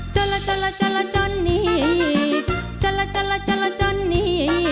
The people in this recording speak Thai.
จนละจนละจนละจนนี่จนละจนละจนละจนนี่